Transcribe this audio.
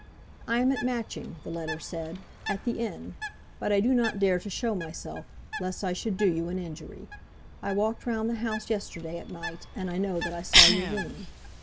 "I am at Matching," the letter said, "at the Inn; but I do not dare to show myself, lest I should do you an injury. I walked round the house yesterday, at night, and I know that I saw your room.